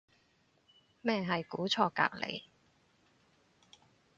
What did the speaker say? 咩係估錯隔離